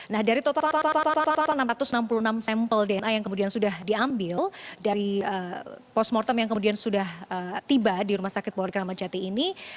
nah dari total enam ratus enam puluh enam sampel dna yang kemudian sudah diambil dari post mortem yang kemudian sudah tiba di rumah sakit polri kramat jati ini